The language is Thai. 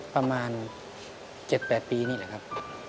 ประมาณ๗๘ปีนี่แหละครับ